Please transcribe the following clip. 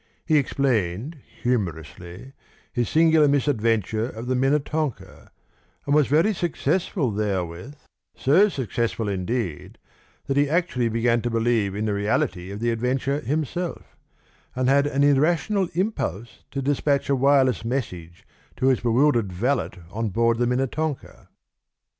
He explained humourously his singular misadventure of the Minnetonka, and was very successful therewith, so successful indeed, that he actually began to believe in the reality of the adventure himself, and had an irrational impulse to despatch a wireless message to his bewildered valet on board the Minnetonka.